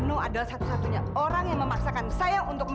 udah kerja lah pak